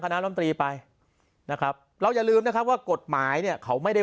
น้ำลำตรีไปนะครับเราอย่าลืมนะครับว่ากฎหมายเนี่ยเขาไม่ได้